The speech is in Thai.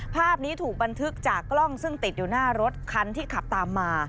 ภาพนี้ถูกบันทึกจากกล้องซึ่งติดอยู่หน้ารถคันที่ขับตามมา